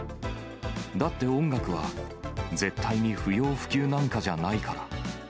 だって音楽は絶対に不要不急なんかじゃないから。